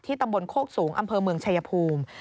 ตำบลโคกสูงอำเภอเมืองชายภูมิ